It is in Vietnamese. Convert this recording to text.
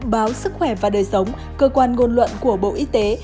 báo sức khỏe và đời sống cơ quan ngôn luận của bộ y tế